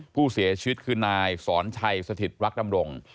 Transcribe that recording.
ผู้เสียชีวิตคือนายสอนชัยสถิตรักดำรง